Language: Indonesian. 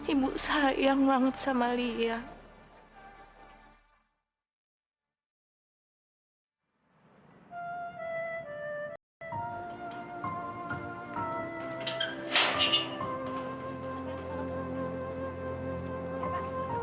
ibu sayang banget sama lia